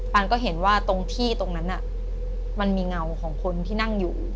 ันก็เห็นว่าตรงที่ตรงนั้นมันมีเงาของคนที่นั่งอยู่